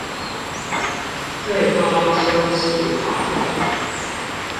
最高休息法